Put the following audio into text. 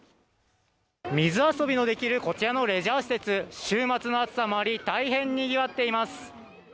水遊びのできる、こちらのレジャー施設、週末の暑さもあり、大変にぎわっています。